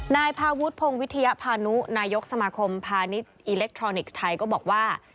นายพาวุฒิพงศ์วิทยาพานุนายกสมาคมพาณิชย์อิเล็กทรอนิกส์ไทยก็บอกว่า